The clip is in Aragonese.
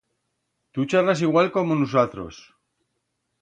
Tu charras igual como nusatros.